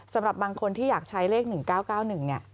สำหรับบางคนที่อยากใช้เลข๑๙๙๑เนี่ย